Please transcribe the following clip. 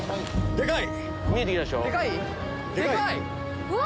でかい！